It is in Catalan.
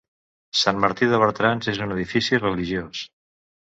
Sant Martí de Bertrans és un edifici religiós.